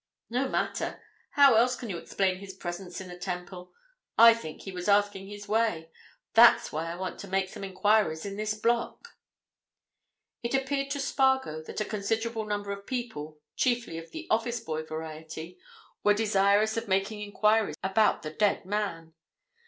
"No matter. How else can you explain his presence in the Temple? I think he was asking his way. That's why I want to make some enquiries in this block." It appeared to Spargo that a considerable number of people, chiefly of the office boy variety, were desirous of making enquiries about the dead man.